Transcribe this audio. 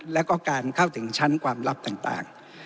แล้วก็การเข้าถึงชั้นความลับต่าง